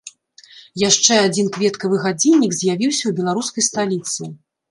Яшчэ адзін кветкавы гадзіннік з'явіўся ў беларускай сталіцы.